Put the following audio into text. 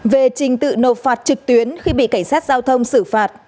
về trình tự nộp phạt trực tuyến khi bị cảnh sát giao thông xử phạt